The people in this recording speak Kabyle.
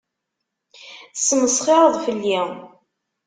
Tesmesxireḍ fell-i.